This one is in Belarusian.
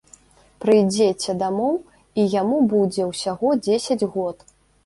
Прыйдзеце дамоў, і яму будзе ўсяго дзесяць год.